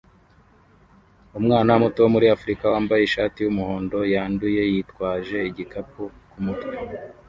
Umwana muto wo muri africa wambaye ishati yumuhondo yanduye yitwaje igikapu kumutwe